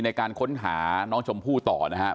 ในการค้นหาน้องชมพู่ต่อนะครับ